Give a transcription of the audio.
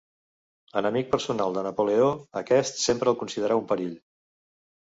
Enemic personal de Napoleó, aquest sempre el considerà un perill.